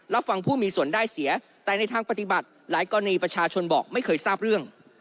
รับฟังผู้มีส่วนได้เสียแต่ในทางปฏิบัติหลายกรณีประชาชนบอกไม่เคยทราบเรื่อง